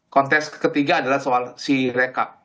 kontes ketiga adalah soal si rekap